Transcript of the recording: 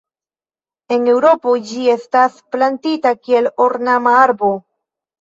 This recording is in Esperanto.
En Eŭropo ĝi estas plantita kiel ornama arbo.